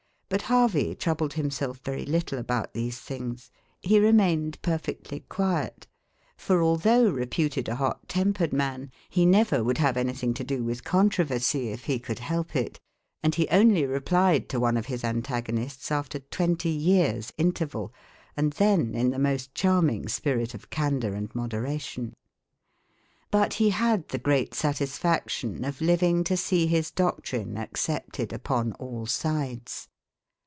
But Harvey troubled himself very little about these things. He remained perfectly quiet; for although reputed a hot tempered man, he never would have anything to do with controversy if he could help it; and he only replied to one of his antagonists after twenty years' interval, and then in the most charming spirit of candour and moderation. But he had the great satisfaction of living to see his doctrine accepted upon all sides.